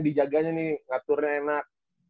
dijaganya nih ngaturnya enak